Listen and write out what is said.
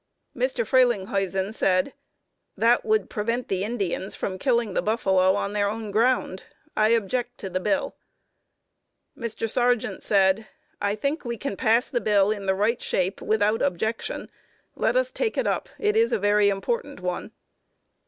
Mr. Frelinghuysen said: "That would prevent the Indians from killing the buffalo on their own ground. I object to the bill." Mr. Sargent said: "I think we can pass the bill in the right shape without objection. Let us take it up. It is a very important one."